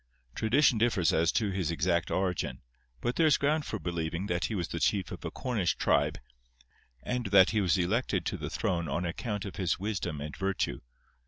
Tradition differs as to his exact origin, but there is ground for believing that he was the chief of a Cornish tribe, and that he was elected to the throne on account of his wisdom and virtue.